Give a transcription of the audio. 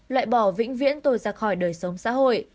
loại bỏ vĩnh viễn tôi ra khỏi đời sống xã hội